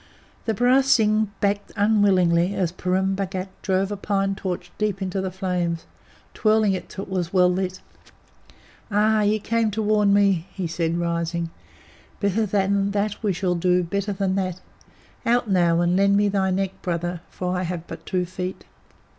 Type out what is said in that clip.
The barasingh backed unwillingly as Purun Bhagat drove a pine torch deep into the flame, twirling it till it was well lit. "Ah! ye came to warn me," he said, rising. "Better than that we shall do; better than that. Out, now, and lend me thy neck, Brother, for I have but two feet."